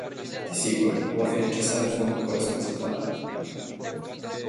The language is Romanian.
Desigur, vor fi necesare fonduri corespunzătoare.